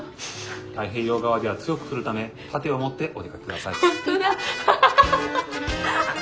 太平洋側では強く降るため盾をもってお出かけ下さい」。